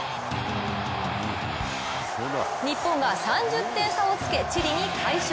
日本が３０点差をつけ、チリに快勝。